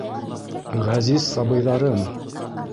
— Ғәзиз сабыйҙарым!